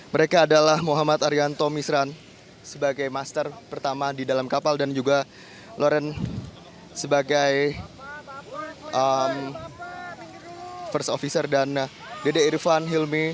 mereka adalah muhammad arianto misran sebagai master pertama di dalam kapal dan juga loren sebagai first officer dan dede irfan hilmi